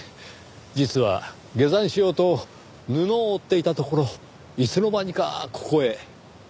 実は下山しようと布を追っていたところいつの間にかここへ。